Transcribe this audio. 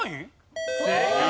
正解！